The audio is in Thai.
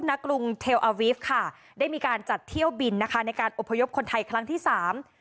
กรุงเทลอาวิฟต์ค่ะได้มีการจัดเที่ยวบินนะคะในการอบพยพคนไทยครั้งที่สาม